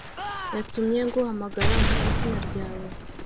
yatumye nguhamagara mu izina ryawe;